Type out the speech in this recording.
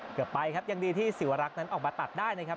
เกือบไปครับยังดีที่สิวรักษ์นั้นออกมาตัดได้นะครับ